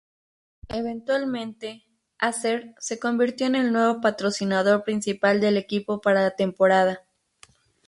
Eventualmente, Acer se convirtió en el nuevo patrocinador principal del equipo para la temporada.